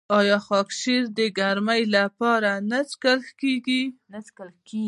آیا خاکشیر د ګرمۍ لپاره نه څښل کیږي؟